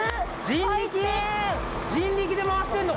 人力で回してんの？